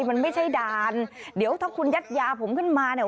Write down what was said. มันไม่ใช่ด่านเดี๋ยวถ้าคุณยัดยาผมขึ้นมาเนี่ย